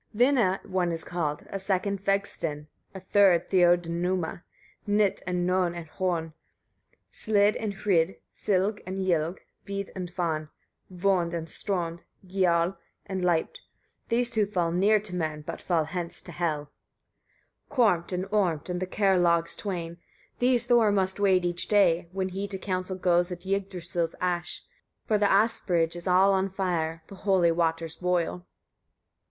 28. Vina one is called, a second Vegsvin, a third Thiodnuma; Nyt and Nön and Hrön, Slid and Hrid, Sylg and Ylg, Vîd and Vân, Vönd and Strönd, Gioll and Leipt; these (two) fall near to men, but fall hence to Hel. 29. Körmt and Ormt, and the Kerlaugs twain: these Thor must wade each day, when he to council goes at Yggdrasil's ash; for the As bridge is all on fire, the holy waters boil.